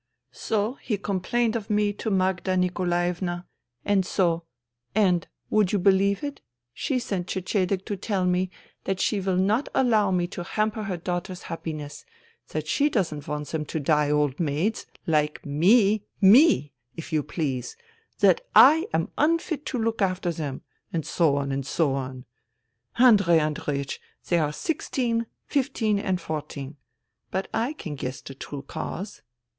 " So he complained of me to Magda Nikolaevna ; and, would you beheve it ! she sent Cecedek to tell me that she will not allow me to hamper her daughters' happiness, that she doesn't want them to die old maids, like me — me ! if you please — that I am unfit to look after them, and so on, and so on. Andrei Andreiech, they are sixteen, fifteen and fourteen I But I can guess the true cause.